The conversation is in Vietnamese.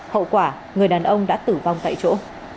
hậu quả người đàn ông đã tử vong tại chỗ